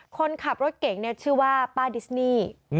คนขับรถเก่งเนี่ยชื่อว่าป้าดิสนี่